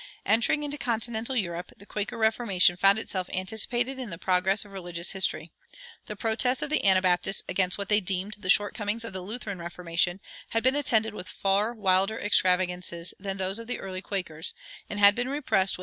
Entering into continental Europe, the Quaker Reformation found itself anticipated in the progress of religious history. The protests of the Anabaptists against what they deemed the shortcomings of the Lutheran Reformation had been attended with far wilder extravagances than those of the early Quakers, and had been repressed with ruthless severity.